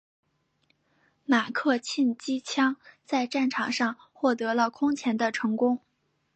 马克沁机枪在战场上获得了空前的成功。